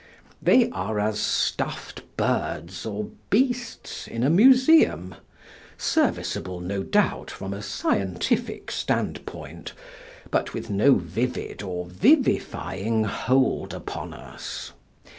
They are as stuffed birds or beasts in a Museum, serviceable no doubt from a scientific standpoint, but with no vivid or vivifying hold upon us.